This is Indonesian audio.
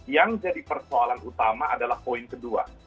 yang jadi persoalan utama adalah poin kedua